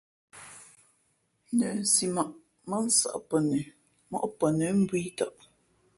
Nəsimα̌ʼ mά nsᾱʼ pαnə móʼ pαnə̌ mbōh ī tαʼ.